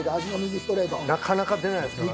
なかなか出ないですからね。